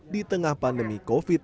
di tengah pandemi covid sembilan belas